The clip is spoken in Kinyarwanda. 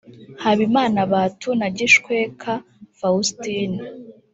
Habimana Batu na Gishweka Faustin